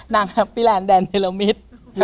นางคราบพี่แลนด์แดนเดรอมิจ